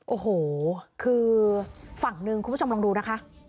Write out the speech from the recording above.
โอ้โหคือฝั่งหนึ่งคุณผู้ชมลองดูนะคะ